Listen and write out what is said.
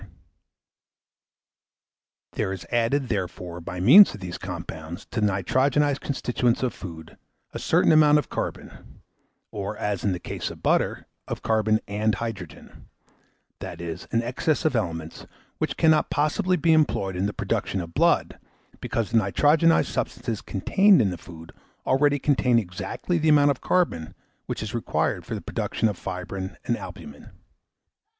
There is added, therefore, by means of these compounds, to the nitrogenised constituents of food, a certain amount of carbon; or, as in the case of butter, of carbon and hydrogen; that is, an excess of elements, which cannot possibly be employed in the production of blood, because the nitrogenised substances contained in the food already contain exactly the amount of carbon which is required for the production of fibrine and albumen.